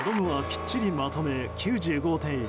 その後はきっちりまとめ９５．１５。